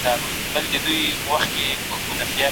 آيا مور او پلار ماشوم د تنبيه لپاره نه متوجه کوي؟